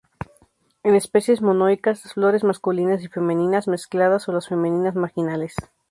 En especies monoicas las flores masculinas y femeninas mezcladas o las femeninas marginales.